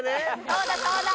そうだそうだ！